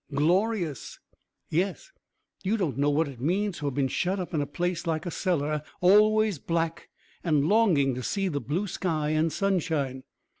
"Glorious?" "Yes. You don't know what it means to have been shut up in a place like a cellar, always black, and longing to see the blue sky and sunshine."